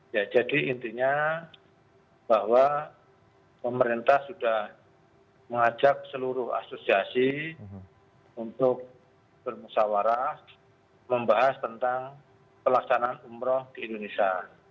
ya jadi intinya bahwa pemerintah sudah mengajak seluruh asosiasi untuk bermusawarah membahas tentang pelaksanaan umroh di indonesia